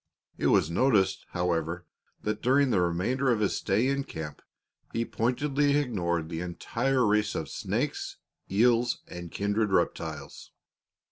It was noticed, however, that during the remainder of his stay in camp he pointedly ignored the entire race of snakes, eels, and kindred reptiles.